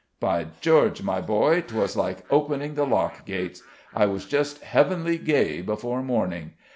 By George! my boy, 'twas like opening the lock gates; I was just heavenly gay before morning.